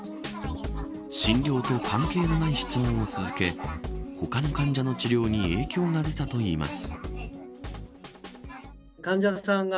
診療と関係のない質問を続け他の患者の治療に影響が出たといいます。